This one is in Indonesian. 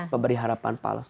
pemberi harapan palsu